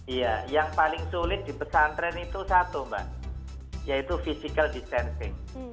iya yang paling sulit di pesantren itu satu mbak yaitu physical distancing